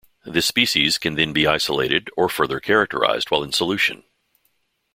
This species can then be isolated or further characterized while in solution.